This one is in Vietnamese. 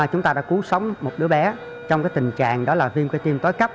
chúng ta đã cứu sống một đứa bé trong cái tình trạng đó là viêm cơ tim tối cấp